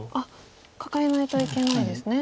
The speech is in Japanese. カカえないといけないですね。